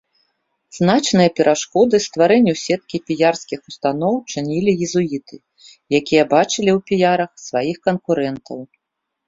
Значныя перашкоды стварэнню сеткі піярскіх устаноў чынілі езуіты, якія бачылі ў піярах сваіх канкурэнтаў.